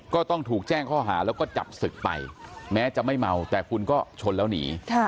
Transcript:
ก็ต้องถูกแจ้งข้อหาแล้วก็จับศึกไปแม้จะไม่เมาแต่คุณก็ชนแล้วหนี